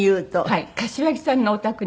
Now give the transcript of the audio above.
はい柏木さんのお宅に。